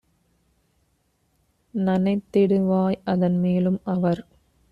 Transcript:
நனைத்திடு வாய்அதன் மேலும் - அவர்